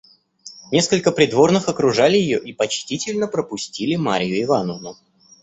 Несколько придворных окружали ее и почтительно пропустили Марью Ивановну.